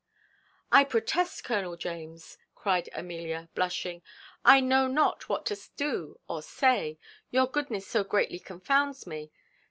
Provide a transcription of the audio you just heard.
"I protest, Colonel James," cried Amelia, blushing, "I know not what to do or say, your goodness so greatly confounds me.